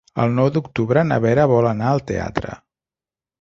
El nou d'octubre na Vera vol anar al teatre.